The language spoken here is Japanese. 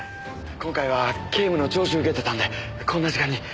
今回は警務の聴取受けてたんでこんな時間に。